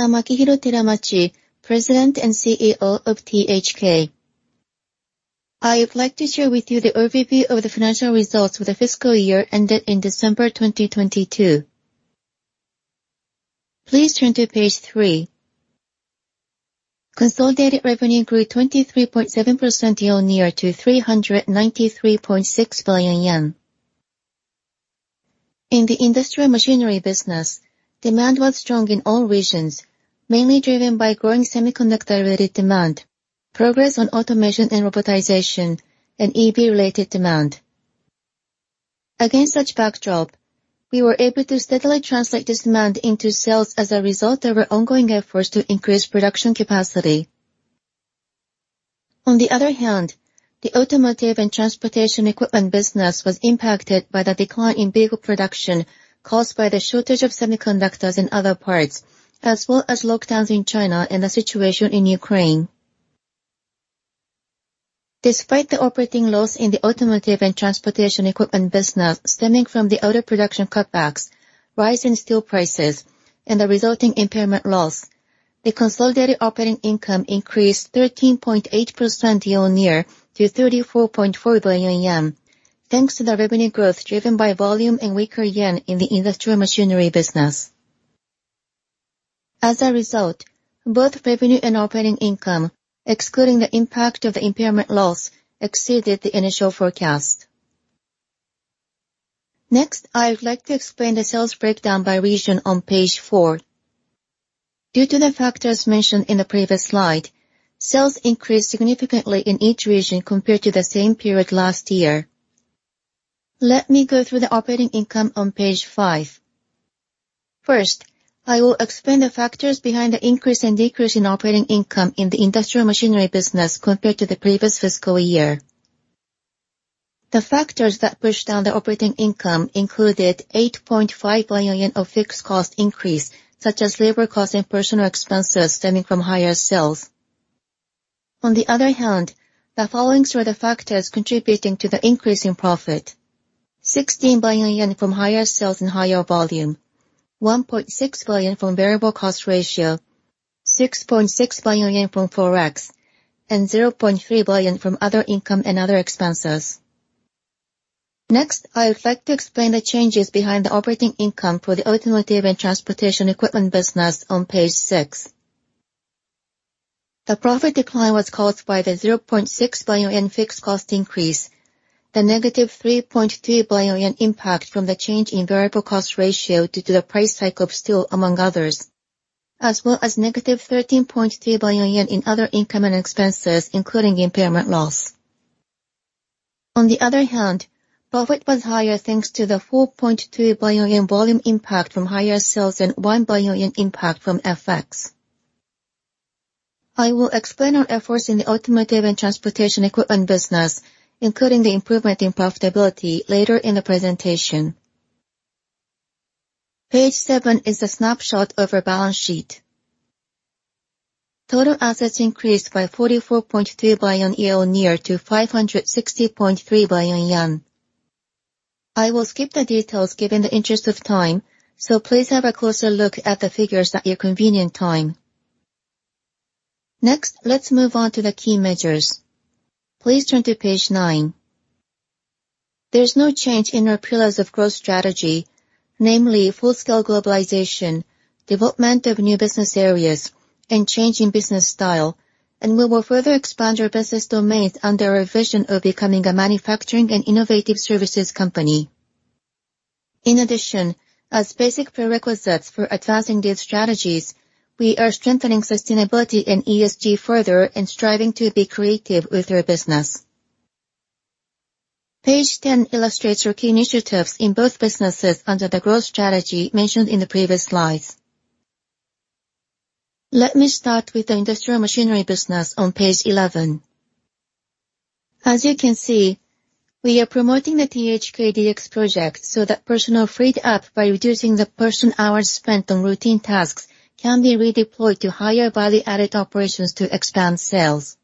I am Akihiro Teramachi, President and CEO of THK. I would like to share with you the overview of the financial results for the fiscal year ended in December 2022. Please turn to page 3. Consolidated revenue grew 23.7% year-on-year to JPY 393.6 billion. In the industrial machinery business, demand was strong in all regions, mainly driven by growing semiconductor-related demand, progress on automation and robotization, and EV-related demand. Against such backdrop, we were able to steadily translate this demand into sales as a result of our ongoing efforts to increase production capacity. On the other hand, the automotive and transportation equipment business was impacted by the decline in vehicle production caused by the shortage of semiconductors and other parts, as well as lockdowns in China and the situation in Ukraine. Despite the operating loss in the automotive and transportation equipment business stemming from the auto production cutbacks, rise in steel prices, and the resulting impairment loss, the consolidated operating income increased 13.8% year-on-year to 34.4 billion yen thanks to the revenue growth driven by volume and weaker yen in the industrial machinery business. As a result, both revenue and operating income, excluding the impact of the impairment loss, exceeded the initial forecast. Next, I would like to explain the sales breakdown by region on page 4. Due to the factors mentioned in the previous slide, sales increased significantly in each region compared to the same period last year. Let me go through the operating income on page 5. First, I will explain the factors behind the increase and decrease in operating income in the industrial machinery business compared to the previous fiscal year. The factors that pushed down the operating income included 8.5 billion yen of fixed cost increase, such as labor cost and personal expenses stemming from higher sales. The following are the factors contributing to the increase in profit. 16 billion yen from higher sales and higher volume, 1.6 billion from variable cost ratio, 6.6 billion yen from forex, and 0.3 billion from other income and other expenses. I would like to explain the changes behind the operating income for the automotive and transportation equipment business on page 6. The profit decline was caused by the 0.6 billion yen fixed cost increase, the -3.3 billion yen impact from the change in variable cost ratio due to the price hike of steel, among others, as well as -13.3 billion yen in other income and expenses, including impairment loss. On the other hand, profit was higher thanks to the 4.2 billion yen volume impact from higher sales and 1 billion yen impact from FX. I will explain our efforts in the automotive and transportation equipment business, including the improvement in profitability later in the presentation. Page 7 is a snapshot of our balance sheet. Total assets increased by 44.2 billion year-on-year to 560.3 billion yen. I will skip the details given the interest of time, so please have a closer look at the figures at your convenient time. Next, let's move on to the key measures. Please turn to page 9. There's no change in our pillars of growth strategy, namely full-scale globalization, development of new business areas, and change in business style. We will further expand our business domains under our vision of becoming a manufacturing and innovative services company. In addition, as basic prerequisites for advancing these strategies, we are strengthening sustainability and ESG further and striving to be creative with our business. Page 10 illustrates our key initiatives in both businesses under the growth strategy mentioned in the previous slides. Let me start with the industrial machinery business on page 11. As you can see, we are promoting the THK DX Project so that personnel freed up by reducing the person-hours spent on routine tasks can be redeployed to higher value-added operations to expand sales.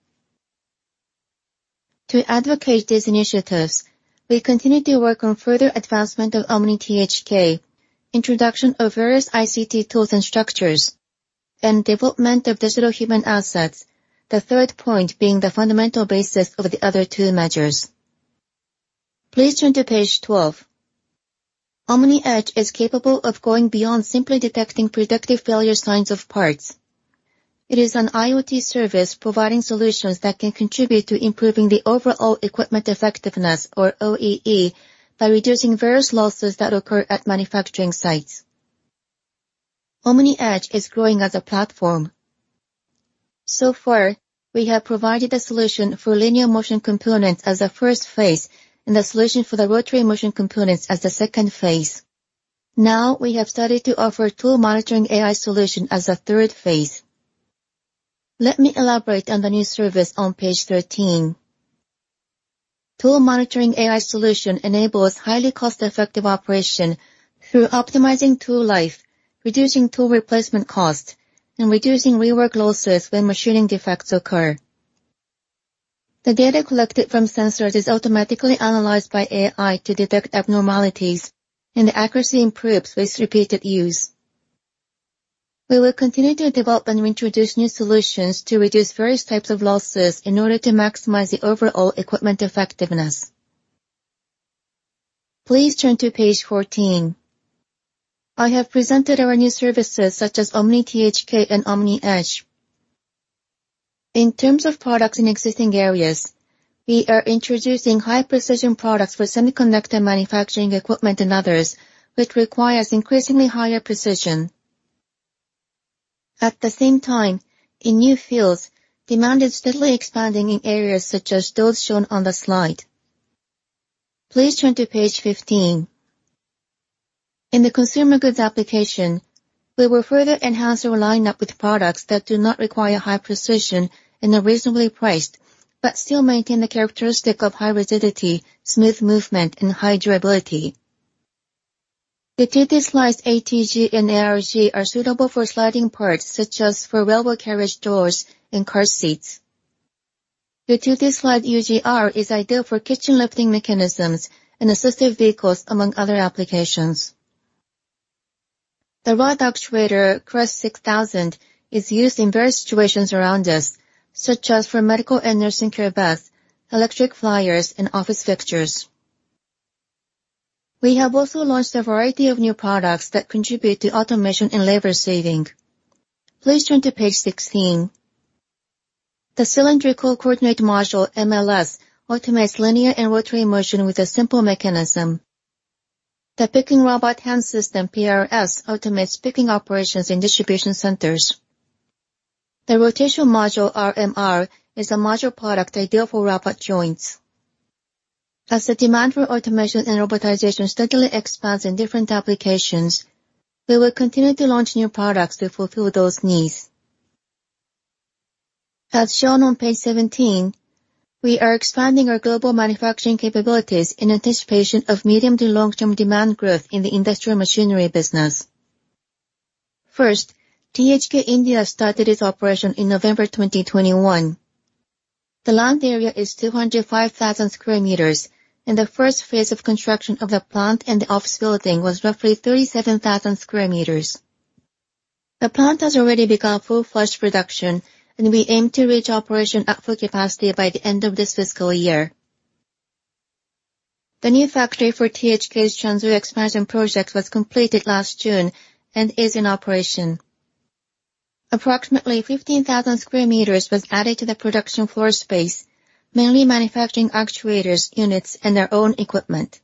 To advocate these initiatives, we continue to work on further advancement of OmniTHK, introduction of various ICT tools and structures, and development of digital human assets, the third point being the fundamental basis of the other two measures. Please turn to page 12. OMNIedge is capable of going beyond simply detecting predictive failure signs of parts. It is an IoT service providing solutions that can contribute to improving the overall equipment effectiveness, or OEE, by reducing various losses that occur at manufacturing sites. OMNIedge is growing as a platform. Far, we have provided a solution for linear motion components as a first phase and the solution for the rotary motion components as the second phase. Now we have started to offer Tool Monitoring AI Solution as a third phase. Let me elaborate on the new service on page 13. Tool Monitoring AI Solution enables highly cost-effective operation through optimizing tool life, reducing tool replacement costs, and reducing rework losses when machining defects occur. The data collected from sensors is automatically analyzed by AI to detect abnormalities, and the accuracy improves with repeated use. We will continue to develop and introduce new solutions to reduce various types of losses in order to maximize the overall equipment effectiveness. Please turn to page 14. I have presented our new services, such as OmniTHK and OMNIedge. In terms of products in existing areas, we are introducing high-precision products for semiconductor manufacturing equipment and others, which requires increasingly higher precision. At the same time, in new fields, demand is steadily expanding in areas such as those shown on the slide. Please turn to page 15. In the consumer goods application, we will further enhance our lineup with products that do not require high-precision and are reasonably priced, but still maintain the characteristic of high rigidity, smooth movement, and high durability. The 2D slide ATG and ARG are suitable for sliding parts, such as for railway carriage doors and car seats. The 2D slide UGR is ideal for kitchen lifting mechanisms and assistive vehicles, among other applications. The rod actuator CREST 6,000 is used in various situations around us, such as for medical and nursing care beds, electric recliners, and office fixtures. We have also launched a variety of new products that contribute to automation and labor saving. Please turn to page 16. The Cylindrical Coordinate Module MLS automates linear and rotary motion with a simple mechanism. The Picking Robot Hand System PRS automates picking operations in distribution centers. The Rotation Module RMR is a module product ideal for robot joints. The demand for automation and robotization steadily expands in different applications, we will continue to launch new products to fulfill those needs. Shown on page 17, we are expanding our global manufacturing capabilities in anticipation of medium to long term demand growth in the industrial machinery business. First, THK India started its operation in November 2021. The land area is 205,000 square meters, and the first phase of construction of the plant and the office building was roughly 37,000 square meters. The plant has already begun full-scale production, and we aim to reach operation at full capacity by the end of this fiscal year. The new factory for THK's Changzhou expansion project was completed last June and is in operation. Approximately 15,000 square meters was added to the production floor space, mainly manufacturing actuators, units, and their own equipment.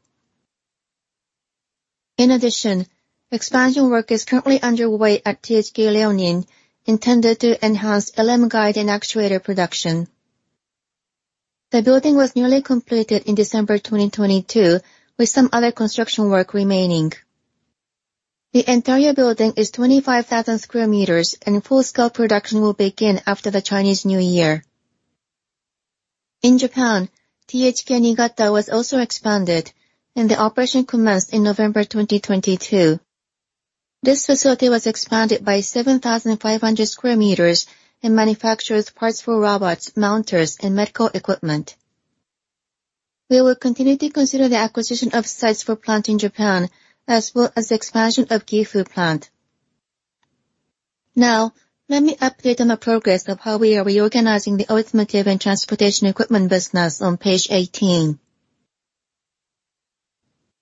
Expansion work is currently underway at THK Liaoning, intended to enhance LM Guide and actuator production. The building was newly completed in December 2022, with some other construction work remaining. The entire building is 25,000 square meters and full-scale production will begin after the Chinese New Year. In Japan, THK NIIGATA was also expanded, and the operation commenced in November 2022. This facility was expanded by 7,500 square meters and manufactures parts for robots, mounters, and medical equipment. We will continue to consider the acquisition of sites for plant in Japan, as well as expansion of Gifu plant. Let me update on the progress of how we are reorganizing the automotive and transportation equipment business on page 18.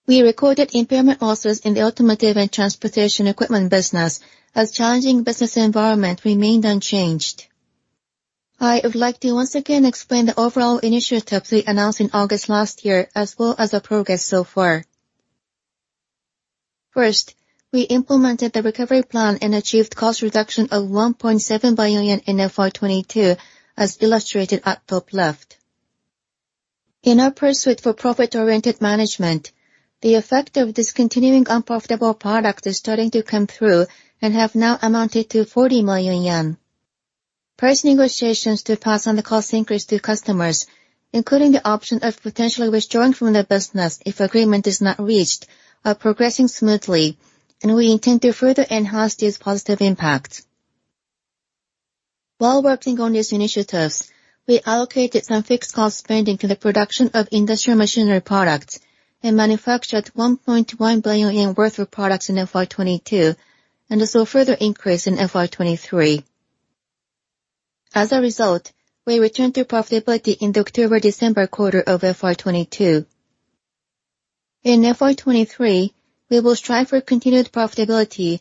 We recorded impairment losses in the automotive and transportation equipment business as challenging business environment remained unchanged. I would like to once again explain the overall initiatives we announced in August last year, as well as the progress so far. First, we implemented the recovery plan and achieved cost reduction of 1.7 billion in FY22, as illustrated at top left. In our pursuit for profit-oriented management, the effect of discontinuing unprofitable product is starting to come through and have now amounted to 40 million yen. Price negotiations to pass on the cost increase to customers, including the option of potentially withdrawing from the business if agreement is not reached, are progressing smoothly, and we intend to further enhance these positive impacts. While working on these initiatives, we allocated some fixed cost spending to the production of industrial machinery products and manufactured 1.1 billion worth of products in FY 2022. There's a further increase in FY 2023. As a result, we return to profitability in the October-December quarter of FY 2022. In FY 2023, we will strive for continued profitability.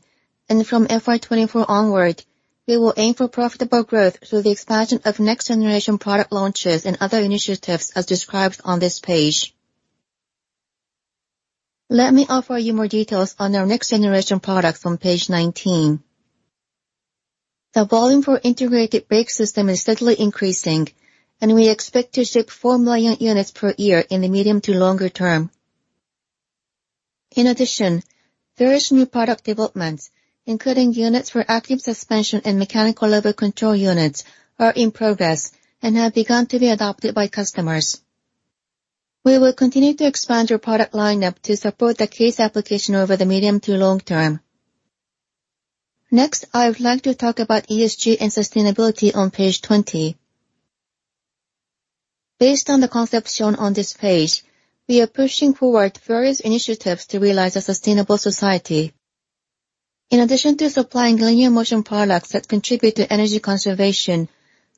From FY 2024 onward, we will aim for profitable growth through the expansion of next-generation product launches and other initiatives, as described on this page. Let me offer you more details on our next-generation products on page 19. The volume for Integrated Brake System is steadily increasing. We expect to ship 4 million units per year in the medium to longer term. Various new product developments, including units for active suspension and mechanical level control units, are in progress and have begun to be adopted by customers. We will continue to expand our product lineup to support the CASE application over the medium to long term. I would like to talk about ESG and sustainability on page 20. Based on the concepts shown on this page, we are pushing forward various initiatives to realize a sustainable society. In addition to supplying linear motion products that contribute to energy conservation,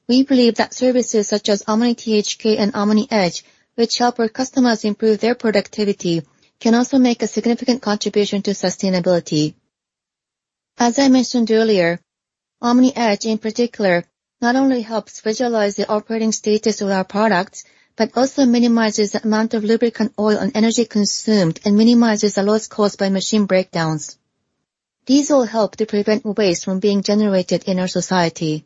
we believe that services such as OmniTHK and OMNIedge, which help our customers improve their productivity, can also make a significant contribution to sustainability. As I mentioned earlier, OMNIedge, in particular, not only helps visualize the operating status of our products, but also minimizes the amount of lubricant oil and energy consumed, and minimizes the loss caused by machine breakdowns. These all help to prevent waste from being generated in our society.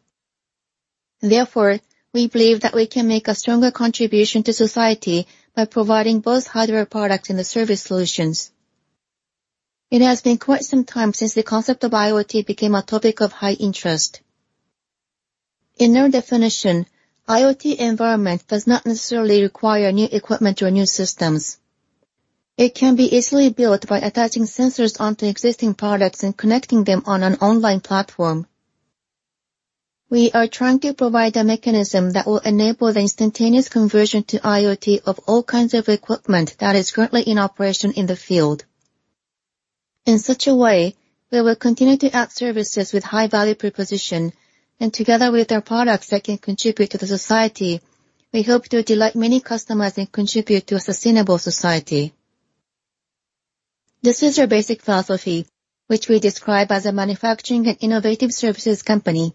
Therefore, we believe that we can make a stronger contribution to society by providing both hardware products and the service solutions. It has been quite some time since the concept of IoT became a topic of high interest. In our definition, IoT environment does not necessarily require new equipment or new systems. It can be easily built by attaching sensors onto existing products and connecting them on an online platform. We are trying to provide a mechanism that will enable the instantaneous conversion to IoT of all kinds of equipment that is currently in operation in the field. In such a way, we will continue to add services with high value proposition, and together with our products that can contribute to the society, we hope to delight many customers and contribute to a sustainable society. This is our basic philosophy, which we describe as a manufacturing and innovative services company,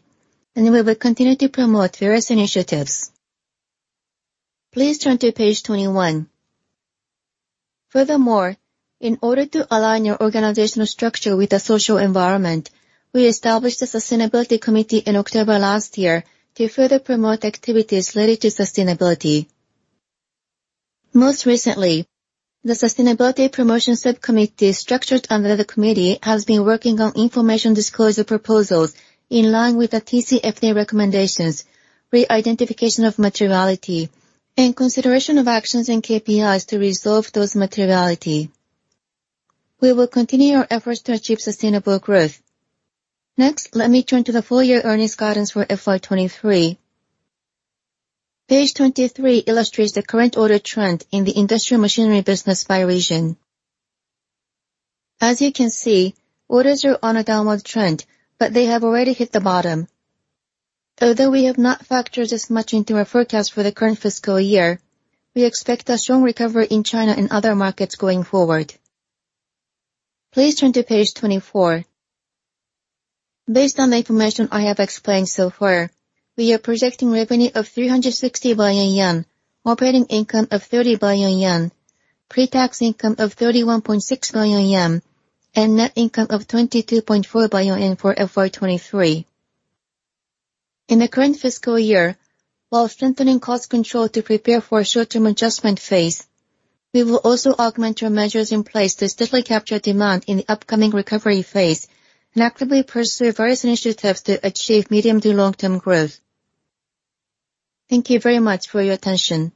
and we will continue to promote various initiatives. Please turn to page 21. In order to align our organizational structure with the social environment, we established a Sustainability Committee in October last year to further promote activities related to sustainability. Most recently, the Sustainability Promotion Subcommittee structured under the committee has been working on information disclosure proposals in line with the TCFD recommendations, re-identification of materiality, and consideration of actions and KPIs to resolve those materiality. We will continue our efforts to achieve sustainable growth. Next, let me turn to the full year earnings guidance for FY 2023. Page 23 illustrates the current order trend in the industrial machinery business by region. As you can see, orders are on a downward trend, but they have already hit the bottom. Although we have not factored this much into our forecast for the current fiscal year, we expect a strong recovery in China and other markets going forward. Please turn to page 24. Based on the information I have explained so far, we are projecting revenue of 360 billion yen, operating income of 30 billion yen, pre-tax income of 31.6 billion yen, and net income of 22.4 billion yen for FY 2023. In the current fiscal year, while strengthening cost control to prepare for a short-term adjustment phase, we will also augment our measures in place to steadily capture demand in the upcoming recovery phase and actively pursue various initiatives to achieve medium to long-term growth. Thank you very much for your attention.